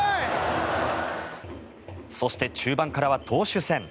そして、中盤からは投手戦。